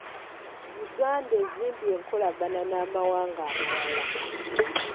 Uganda ezimbye enkolagana n'amawanga amalala.